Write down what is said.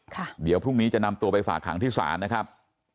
ค่ะเดี๋ยวพรุ่งนี้จะนำตัวไปฝากหางที่ศาลนะครับ